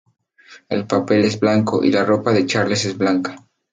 El papel es blanco, y la ropa de Charles es blanca".